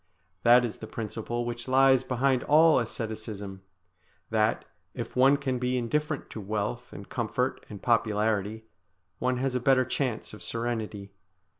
That is the principle which lies behind all asceticism, that, if one can be indifferent to wealth and comfort and popularity, one has a better chance of serenity.